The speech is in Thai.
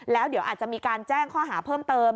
แล้วเดี๋ยวอาจจะมีการแจ้งข้อหาเพิ่มเติม